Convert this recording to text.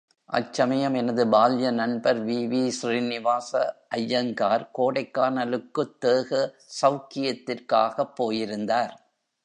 அச்சமயம் எனது பால்ய நண்பர் வி.வி.. ஸ்ரீனிவாச ஐயங்கார் கோடைக்கானலுக்குத் தேக சௌக்கியத்திற்காகப் போயிருந்தார்.